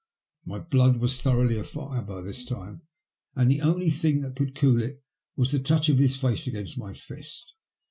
My blood was thoroughly afire by this time, and the only thing that could cool it was the touch of his face against my fist.